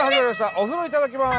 「お風呂いただきます」。